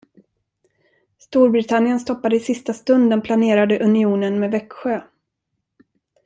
Storbritannien stoppade i sista stund den planerade unionen med Växjö.